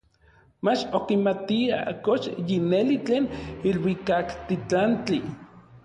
Mach okimatia kox yi neli tlen iluikaktitlantli.